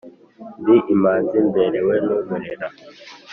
Ndi imanzi mberewe n’umurera.